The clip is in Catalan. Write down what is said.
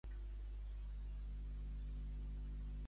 Tinc un dubte: s'escriu amb b o amb v?